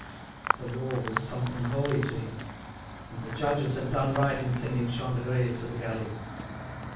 The law was something holy to him, and the judges had done right in sending Chantegreil to the galleys.